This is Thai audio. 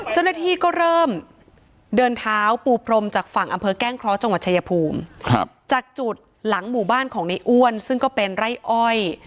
เจ้าหน้าที่ก็เริ่มเดินเท้าปูพรมจากฝั่งอำเภอแก้งเคราะห์จังหวัดชายภูมิจากจุดหลังหมู่บ้านของในอ้วนซึ่งก็เป็นไร่อ้อย